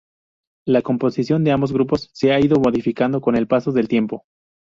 La composición de ambos grupos se ha ido modificando con el paso del tiempo.